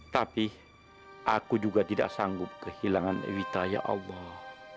tapi aku juga tidak sanggup kehilangan evita ya allah